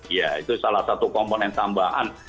ya itu salah satu komponen tambahan